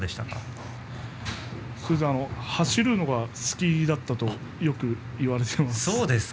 走るのが好きだったとよく言われています。